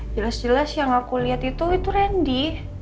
jelas jelas yang aku lihat itu itu randy